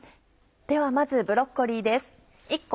ではまずブロッコリーです。